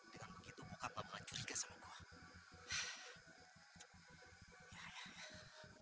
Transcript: dengan begitu bapak bapak curiga sama gua